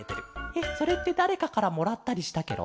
えっそれってだれかからもらったりしたケロ？